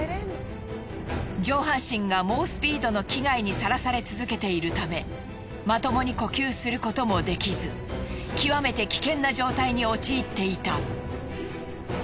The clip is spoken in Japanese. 上半身が猛スピードの機外にさらされ続けているためまともに呼吸することもできずきわめて危険な状態に陥っていた。